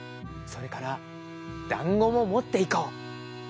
それからだんごももっていこう」。